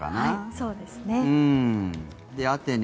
そうですね。